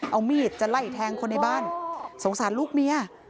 เอามีดจะไล่แทงคนในบ้านสงสารลูกเมีย